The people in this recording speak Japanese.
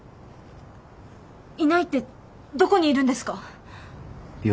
いないってどこにいるんですか？